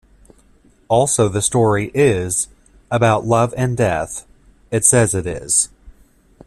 Also, the story "is" about love-and-death; it says it is.